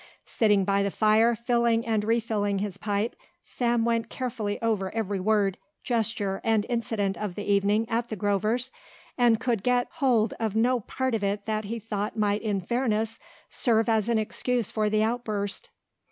Sitting by the fire filling and refilling his pipe, Sam went carefully over every word, gesture, and incident of the evening at the Grovers and could get hold of no part of it that he thought might in fairness serve as an excuse for the outburst.